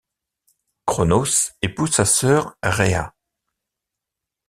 Cronos épouse sa sœur Rhéa.